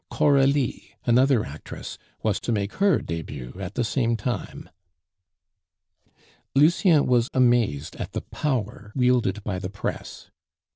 Coralie, another actress, was to make her debut at the same time. Lucien was amazed at the power wielded by the press.